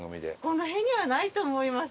この辺にはないと思います。